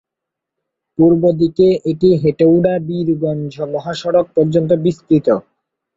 পূর্ব দিকে এটি হেটৌডা-বীরগঞ্জ মহাসড়ক পর্যন্ত বিস্তৃত।